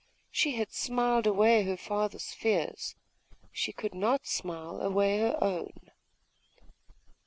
She had smiled away her father's fears; she could not smile away her own.